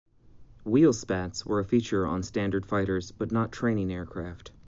Wheel spats were a feature of standard fighters but not training aircraft.